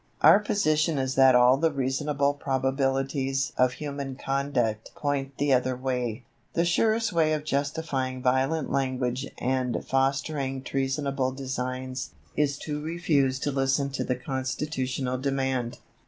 Our position is that all the reasonable probabilities of human conduct point the other way. The surest way of justifying violent language and fostering treasonable designs, is to refuse to listen to the constitutional demand.